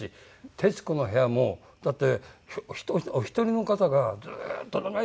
『徹子の部屋』もだってお一人の方がずっと長い事やってる。